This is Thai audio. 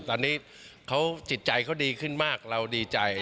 ตอนนี้จิตใจเขาดีขึ้นมากเราดีใจ